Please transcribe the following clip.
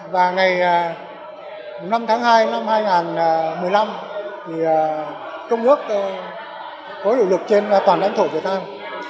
và ngày năm tháng hai năm hai nghìn một mươi năm công ước có hiệu lực trên toàn lãnh thổ việt nam